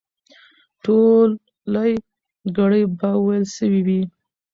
ټولې ګړې به وېل سوې وي.